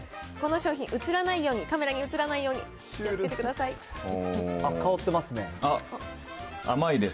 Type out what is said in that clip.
この商品、映らないように、カメラに映らないように気をつけてください。